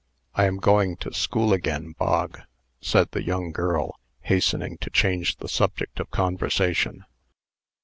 "I am going to school again, Bog," said the young girl, hastening to change the subject of conversation.